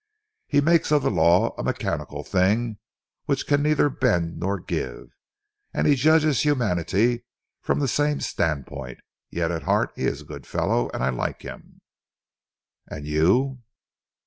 He makes of the law a mechanical thing which can neither bend nor give, and he judges humanity from the same standpoint. Yet at heart he is a good fellow and I like him." "And you?"